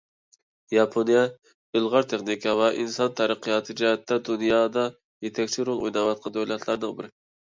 ياپونىيە — ئىلغار تېخنىكا ۋە ئىنسان تەرەققىياتى جەھەتتە دۇنيادا يېتەكچى رول ئويناۋاتقان دۆلەتلەرنىڭ بىرى.